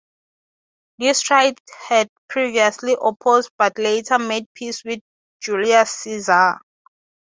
These tribes had previously opposed but later made peace with Julius Caesar.